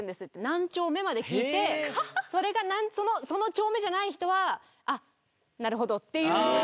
何丁目まで聞いてそれがその丁目じゃない人はなるほどっていうのがあるらしい。